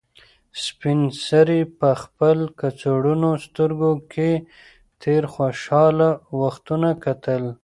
سپین سرې په خپل کڅوړنو سترګو کې تېر خوشحاله وختونه کتل.